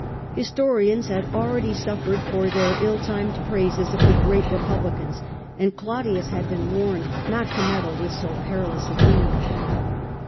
Historians had already suffered for their ill timed praises of the great repub Nero. A. D. II? licans; and Claudius had been warned not to meddle with so perilous a theme.